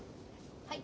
はい。